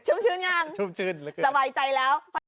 ชุ่มชื่นยังชุ่มชื่นสบายใจแล้ว